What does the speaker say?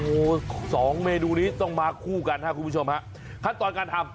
โอ้โหสองเมนูนี้ต้องมาคู่กันครับคุณผู้ชมฮะขั้นตอนการทำ